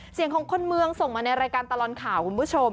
เสียงของคนเมืองส่งมาในรายการตลอดข่าวคุณผู้ชม